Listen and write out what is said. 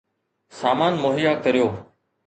سامان مهيا ڪريو